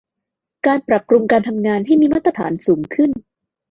การปรับปรุงการทำงานให้มีมาตรฐานสูงขึ้น